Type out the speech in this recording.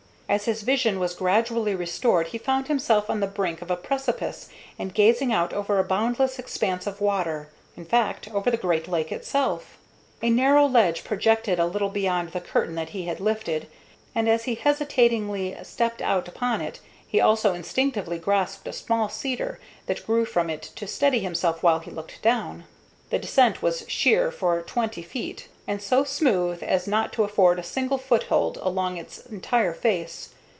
As his vision was gradually restored he found himself on the brink of a precipice and gazing out over a boundless expanse of water in fact, over the great lake itself. A narrow ledge projected a little beyond the curtain that he had lifted, and as he hesitatingly stepped out upon it he also instinctively grasped a small cedar that grew from it to steady himself while he looked down. The descent was sheer for twenty feet, and so smooth as not to afford a single foothold along its entire face.